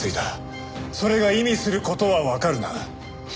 それが意味する事はわかるな？